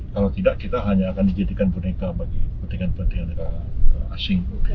kalau tidak kita hanya akan dijadikan boneka bagi kepentingan penting negara asing